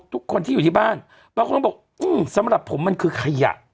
ทุกคนที่อยู่ที่บ้านบางคนก็บอกสำหรับผมมันคือขยะ